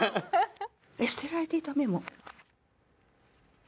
捨てられていたメモ。